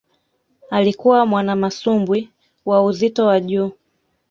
Alikuwa mwanamasumbwi wa uzito wa juu